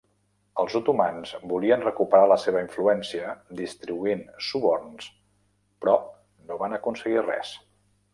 Els otomans volien recuperar la seva influència distribuint suborns però no van aconseguir res.